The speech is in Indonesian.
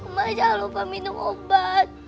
cuma jangan lupa minum obat